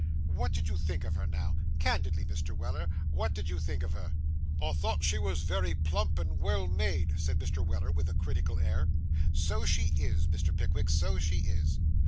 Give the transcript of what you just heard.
'What did you think of her, now? Candidly, Mr. Weller, what did you think of her?' 'I thought she wos wery plump, and vell made,' said Mr. Weller, with a critical air. 'So she is,' said Mr. Pickwick, 'so she is.